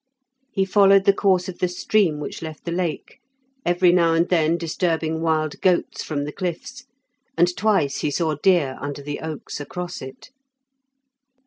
He followed the course of the stream which left the lake, every now and then disturbing wild goats from the cliffs, and twice he saw deer under the oaks across it.